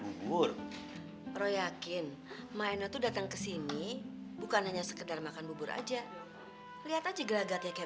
bubur roya kokin maenot datang ke sini bukan hanya sekedar makan bubur aja liat aja gelagatnya kayak